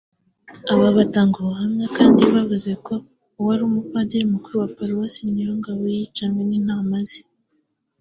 Aba batangabuhamya kandi bavuze ko n’uwari Padiri mukuru wa Paruwasi Niyomugabo yicanywe n’intama ze